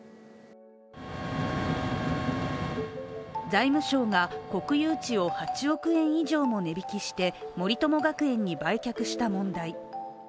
財務省が国有地を８億円以上も値引きして森友学園に売却した問題。